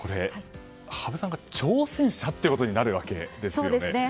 羽生さんが挑戦者ということになるわけですけど。